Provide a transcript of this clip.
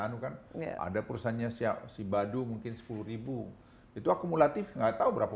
anugerahnya ada perusahaannya siap si badu mungkin sepuluh itu akumulatif nggak tahu berapa